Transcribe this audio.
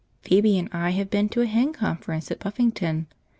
Phoebe and I have been to a Hen Conference at Buffington.